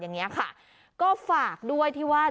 อย่างนี้ค่ะก็ฝากด้วยที่ว่า